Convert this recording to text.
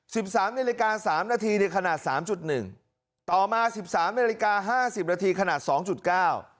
สิบสามนาฬิกาสามนาทีในขนาดสามจุดหนึ่งต่อมาสิบสามนาฬิกาห้าสิบนาทีขนาดสองจุดเก้า